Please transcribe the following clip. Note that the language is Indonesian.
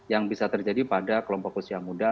yang bisa terjadi pada kelompok usia muda